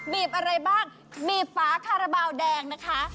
บีบอะไรบ้างบีบฝาคาราบาลแดงนะคะ